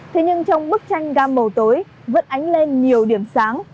thế nhưng trong bức tranh gam màu tối vẫn ánh lên nhiều điểm sáng